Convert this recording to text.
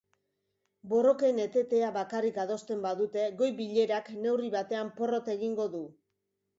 Borroken etetea bakarrik adosten badute, goi-bilerak neurri batean porrot egingo du.